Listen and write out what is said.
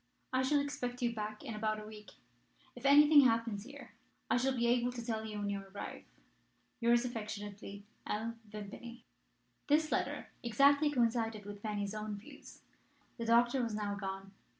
I shall expect you back in about a week. If anything happens here I shall be able to tell you when you arrive. "Yours affectionately, L. Vimpany." This letter exactly coincided with Fanny's own views. The doctor was now gone.